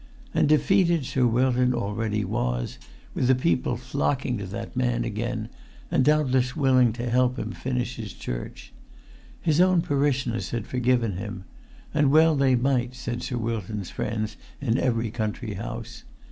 And defeated Sir Wilton already was, with the people flocking to that man again, and doubtless willing to help him finish his church. His own parishioners had forgiven him—and well they might, said Sir Wilton's friends in every country house.